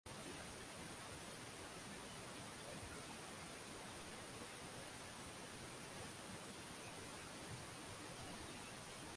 muziki itapotea au ndio mapinduzi mapya ya burudani nchini humo Fatuma Binti Baraka anaefahamika